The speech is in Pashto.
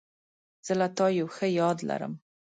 زه له تا یو ښه یاد لرم.